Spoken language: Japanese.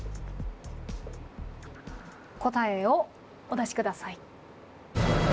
答えをお出しください。